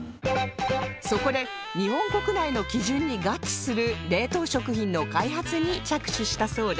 そこで日本国内の基準に合致する冷凍食品の開発に着手したそうです